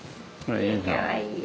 かわいい。